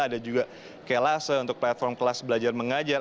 ada juga kelase untuk platform kelas belajar mengajar